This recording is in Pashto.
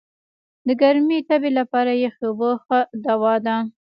د ګرمي تبي لپاره یخي اوبه ښه دوا ده.